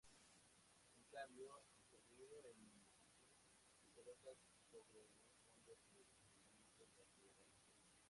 En cambio, el contenido en sí se coloca sobre un fondo de desplazamiento lateral.